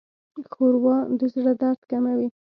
ښوروا د زړه درد کموي.